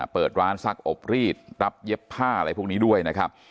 เปิดร้านซักอบรีดรับเย็บผ้าอะไรพวกนี้ด้วยนะครับ